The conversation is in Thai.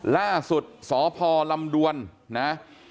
ล่าสุดสพลำดวนนะ